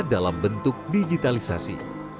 dalam bentuk digitalisasi